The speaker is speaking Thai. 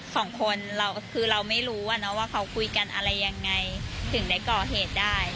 สองคนเราคือเราไม่รู้ว่าเขาคุยกันอะไรยังไงถึงได้ก่อเหตุได้